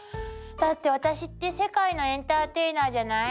だって私って世界のエンターテイナーじゃない？